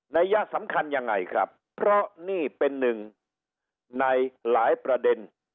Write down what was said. ัยยะสำคัญยังไงครับเพราะนี่เป็นหนึ่งในหลายประเด็น